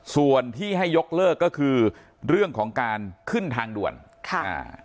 ส่วนที่ให้ยกเลิกก็คือเรื่องของการขึ้นทางด่วนค่ะอ่า